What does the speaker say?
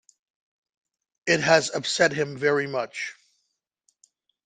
It has upset him very much.